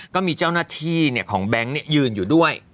ก็มีเจ้าหน้าที่ของแบงค์ยืนอยู่ด้วย